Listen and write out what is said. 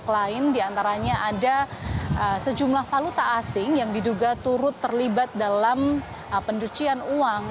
selain diantaranya ada sejumlah valuta asing yang diduga turut terlibat dalam pencucian uang